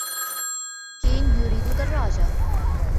كين يريد دراجة.